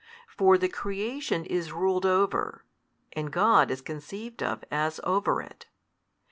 For the creation is ruled over, and God is conceived of as over it.